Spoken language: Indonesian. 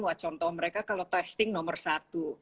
wah contoh mereka kalau testing nomor satu